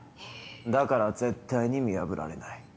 だから絶対に見破られない。